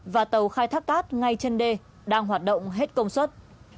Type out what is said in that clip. và tàu khai thác cát ngay chân đê đang hoạt động hết công suất